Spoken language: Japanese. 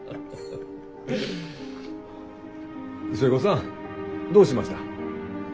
寿恵子さんどうしました？